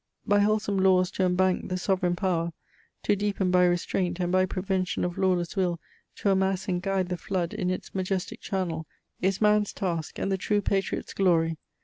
By wholesome laws to embank the sovereign power, To deepen by restraint, and by prevention Of lawless will to amass and guide the flood In its majestic channel, is man's task And the true patriot's glory!